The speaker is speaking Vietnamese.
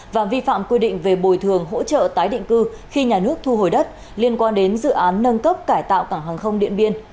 và vi phạm quy định về bồi thường hỗ trợ tái định cư khi nhà nước thu hồi đất liên quan đến dự án nâng cấp cải tạo cảng hàng không điện biên